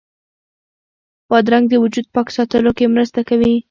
بادرنګ د وجود پاک ساتلو کې مرسته کوي.